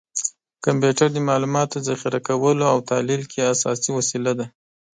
کمپیوټر د معلوماتو ذخیره کولو او تحلیل کې اساسي وسیله ده.